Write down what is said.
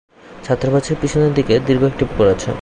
ছাত্রাবাসের পিছনের দিকে দীর্ঘ একটি পুকুর আছে।